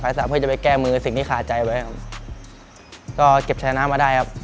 ไฟสามเพื่อจะไปแก้มือสิ่งที่ขาใจไปครับก็เก็บชายงานมาได้ครับ